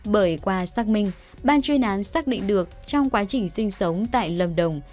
bởi qua xác minh ban chuyên án xác định được trong quá trình sinh sống tại lâm đồng